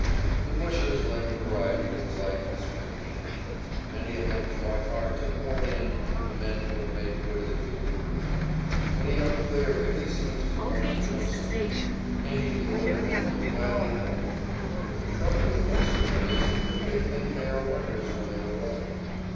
The bushers lend variety to the life in a spring camp. Many of them try hard to "horn in" with the men who have made good as Big Leaguers. When a young player really seems to want to know something, any of the older men will gladly help him, but the trouble with most of them is that they think they are wonders when they arrive.